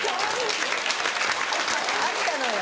あったのよ。